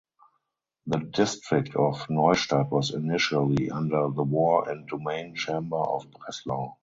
The district of Neustadt was initially under the War and Domain Chamber of Breslau.